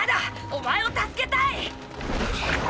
お前を助けたい！